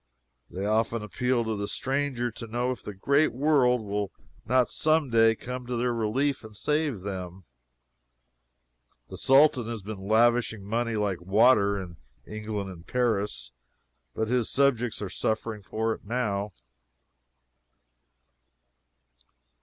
They often appeal to the stranger to know if the great world will not some day come to their relief and save them. The Sultan has been lavishing money like water in England and Paris, but his subjects are suffering for it now.